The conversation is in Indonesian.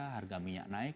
harga minyak naik